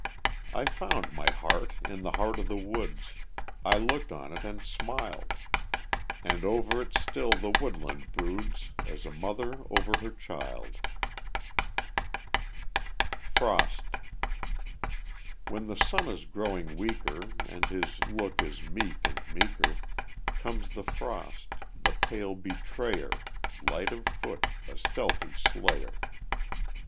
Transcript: I found my heart in the heart of the woods, I looked on it and smiled; And over it still the woodland broods, As a mother over her child. Frost When the sun is growing weaker, And his look is meek and meeker, Comes the frost the pale betrayer Light of foot, a stealthy slayer.